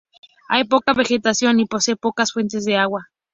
Hay poca vegetación y posee pocas fuentes de agua.